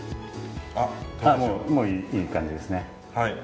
もういい感じですね。